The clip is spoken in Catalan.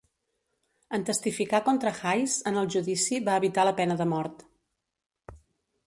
En testificar contra Hays en el judici, va evitar la pena de mort.